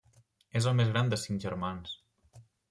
És el més gran de cinc germans.